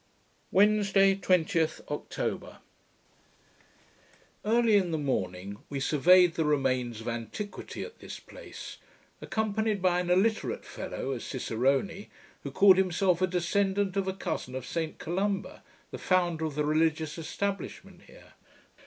Wednesday, 20th October Early in the morning we surveyed the remains of antiquity at this place, accompanied by an illiterate fellow, as cicerone, who called himself a descendant of a cousin of Saint Columba, the founder of the religious establishment here.